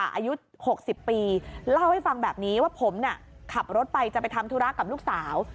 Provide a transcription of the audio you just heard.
อายุ๖๐ปีเล่าให้ฟังแบบนี้ว่าผมน่ะขับรถไปจะไปทำธุระกับลูกสาว